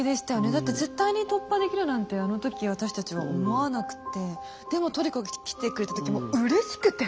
だって絶対に突破できるなんてあの時私たちは思わなくってでもトリコが来てくれた時もううれしくて！